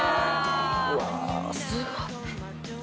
うわすごい。